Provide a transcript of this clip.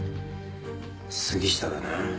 杉下だな。